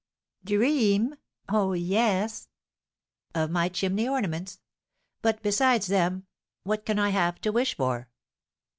"Dream? Oh, yes! of my chimney ornaments; but, besides them, what can I have to wish for?"